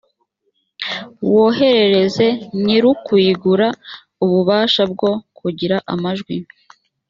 woherereze nyir’ukuyigura ububasha bwo kugira amajwi